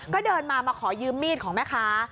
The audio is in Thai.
ก็เดินมามาขอยืมมีดของแม่ค้า